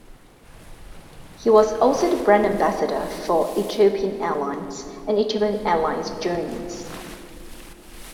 He was also the "Brand Ambassador" for Ethiopian Airlines and Ethiopian Airlines Journeys.